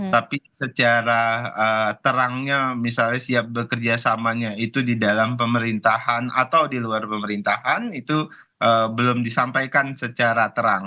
tapi secara terangnya misalnya siap bekerjasamanya itu di dalam pemerintahan atau di luar pemerintahan itu belum disampaikan secara terang